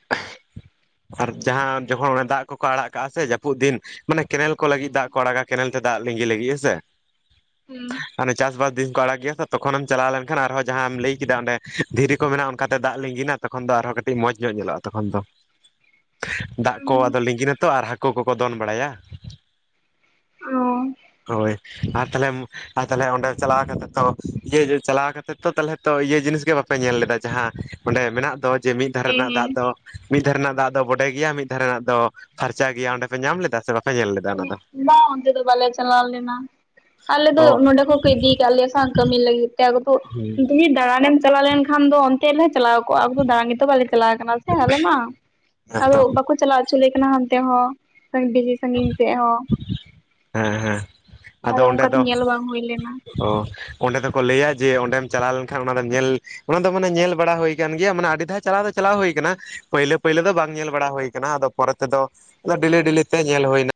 ᱟᱨ ᱡᱟᱦᱟᱸ ᱡᱚᱠᱷᱚᱱ ᱚᱱᱟ ᱫᱟᱜ ᱠᱚᱠᱚ ᱟᱲᱟᱜ ᱠᱟᱜ-ᱟ ᱥᱮ ᱡᱟᱹᱯᱩᱫ ᱫᱤᱱ᱾ ᱢᱟᱱᱮ ᱠᱮᱱᱮᱞ ᱠᱚ ᱞᱟᱹᱜᱤᱜ ᱫᱟᱜ ᱠᱚ ᱟᱲᱟᱜ-ᱟ, ᱠᱮᱱᱮᱞ ᱛᱮ ᱫᱟᱜ ᱞᱤᱸᱜᱤ ᱞᱟᱹᱜᱤᱜ᱾ ᱦᱮᱸᱥᱮ? ᱦᱩᱸ᱾ ᱦᱟᱱᱮ ᱪᱟᱥᱵᱟᱥ ᱫᱤᱱ ᱠᱚ ᱟᱲᱟᱜ ᱜᱮᱭᱟ ᱛᱚ ᱛᱚᱠᱷᱚᱱᱮᱢ ᱪᱟᱞᱟᱣ ᱞᱮᱱᱠᱷᱟᱱ ᱟᱨᱦᱚ ᱡᱟᱦᱟᱸᱟᱢ ᱞᱟᱹᱭ ᱠᱮᱫᱟ ᱚᱸᱰᱮ ᱫᱷᱤᱨᱤ ᱠᱚ ᱢᱮᱱᱟᱜ-ᱟ ᱚᱱᱠᱟ ᱛᱮ ᱫᱟᱜ ᱞᱤᱸᱜᱤᱱᱟ᱾ ᱛᱚᱠᱷᱚᱱ ᱫᱚ ᱟᱨᱦᱚᱸ ᱠᱟᱹᱴᱤᱡ ᱢᱚᱸᱡᱽ ᱧᱚᱜ ᱧᱮᱞᱚᱜ-ᱟ ᱛᱚᱠᱷᱚᱱ ᱫᱚ, ᱫᱟᱜ ᱠᱚ ᱟᱫᱚ ᱞᱤᱸᱜᱤᱱ ᱟᱛᱚ ᱟᱨ ᱦᱟ ᱠᱳ ᱠᱚᱠᱚ ᱫᱚᱱ ᱵᱟᱲᱟᱭᱟ, ᱚ ᱦᱳᱭ ᱟᱨ ᱛᱟᱞᱦᱮ ᱟᱨ ᱛᱟᱞᱦᱮ ᱚᱸᱰᱮ ᱪᱟᱞᱟᱣ ᱠᱟᱛᱮᱜ ᱛᱚ ᱤᱭᱟᱹ ᱪᱟᱞᱟᱣ ᱠᱟᱛᱮᱜ ᱛᱚ ᱛᱟᱞᱦᱮ ᱛᱚ ᱤᱭᱟᱹ ᱡᱤᱱᱤᱥ ᱜᱮ ᱵᱟᱯᱮ ᱧᱮᱞ ᱞᱮᱫᱟ ᱡᱟᱦᱟᱸ ᱚᱸᱰᱮ ᱢᱮᱱᱟᱜ ᱫᱚ ᱡᱮ ᱢᱤᱫ ᱫᱷᱟᱨᱮ ᱦᱮᱸ ᱨᱮᱱᱟᱜ ᱫᱟᱜ ᱦᱮᱸ ᱫᱚ ᱢᱤᱫ ᱫᱷᱟᱨᱮ ᱨᱮᱱᱟᱜ ᱫᱟᱜ ᱫᱚ ᱵᱚᱰᱮ ᱜᱮᱭᱟ ᱢᱤᱫ ᱫᱷᱟᱨᱮ ᱱᱟᱜ ᱫᱚ ᱯᱷᱟᱨᱪᱟ ᱜᱮᱭᱟ, ᱚᱸᱰᱮ ᱯᱮ ᱧᱟᱢ ᱞᱮᱫᱟ ᱥᱮ ᱵᱟᱝ? ᱵᱟᱝ ᱚᱱᱛᱮ ᱫᱚ ᱵᱟᱞᱮ ᱪᱟᱞᱟᱣ ᱞᱮᱱᱟ ᱟᱞᱮ ᱚ ᱫᱚ ᱱᱚᱸᱰᱮ ᱠᱚᱠᱚ ᱤᱫᱤᱠᱟᱫ ᱞᱮᱭᱟ ᱥᱮ ᱦᱟ ᱠᱟᱹᱢᱤ ᱞᱟᱹᱜᱤᱫ ᱛᱮ ᱟᱫᱚ ᱠᱩ ᱦᱳᱭ ᱫᱩᱢᱮ ᱫᱟᱬᱟᱱᱮᱢ ᱪᱟᱞᱟᱣ ᱞᱮᱱᱠᱷᱟᱱ ᱫᱚ ᱚᱱᱛᱮ ᱞᱮ ᱪᱟᱞᱟᱣ ᱠᱚᱜ-ᱟ ᱟᱫᱚ ᱫᱟᱬᱟᱱ ᱜᱮᱛᱚ ᱵᱟᱞᱮ ᱪᱟᱞᱟᱣ ᱠᱟᱱᱟ ᱥᱮ ᱾ ᱥᱮ ᱟᱞᱮ ᱢᱟ ᱟᱫᱚ ᱦᱮᱸᱛᱚ ᱵᱟᱠᱚ ᱪᱟᱞᱟᱣ ᱦᱚᱪᱚ ᱞᱮ ᱠᱟᱱᱟ ᱦᱟᱱᱛᱮ ᱦᱚᱸ [unintelligible] ᱥᱮᱫ ᱦᱚᱸ ᱦᱮᱸ ᱦᱮᱸ ᱟᱫᱚ ᱚᱱᱠᱟ ᱫᱚ ᱧᱮᱞ ᱵᱟᱝ ᱦᱩᱭ ᱞᱮᱱᱟ᱾ ᱚ ᱚᱸᱰᱮ ᱫᱚᱠᱚ ᱞᱟᱹᱭᱟ ᱡᱮ ᱚᱸᱰᱮᱢ ᱪᱟᱞᱟᱣ ᱞᱮᱱᱠᱷᱟᱱ ᱚᱱᱟ ᱫᱚᱢ ᱧᱮᱞ ᱚᱱᱟ ᱫᱚ ᱢᱟᱱᱮ ᱧᱮᱞ ᱵᱟᱲᱟ ᱦᱩᱭ ᱠᱟᱱ ᱜᱮᱭᱟ ᱢᱟᱱᱮ ᱟᱹᱰᱤ ᱫᱷᱟᱣ ᱪᱟᱞᱟᱣ ᱫᱚ ᱪᱟᱞᱟᱣ ᱦᱩᱭ ᱠᱟᱱᱟ᱾ ᱯᱟᱹᱭᱞᱟᱹ-ᱯᱟᱹᱭᱞᱟᱹ ᱫᱚ ᱵᱟᱝ ᱧᱮᱞ ᱵᱟᱲᱟ ᱦᱳᱭ ᱠᱟᱱᱟ, ᱟᱫᱚ ᱯᱚᱨᱮ ᱛᱮᱫᱚ ᱰᱮᱞᱮ ᱰᱮᱞᱮ ᱛᱮ ᱧᱮᱞ ᱦᱩᱭᱱᱟ᱾